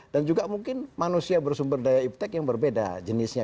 dan juga mungkin manusia bersumber daya iptec yang berbeda jenisnya